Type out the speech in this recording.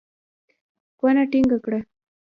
کونه ټينګه کړه.